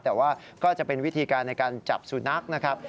แต่ว่าก็จะเป็นวิธีการในการจับสุนัขนะครับ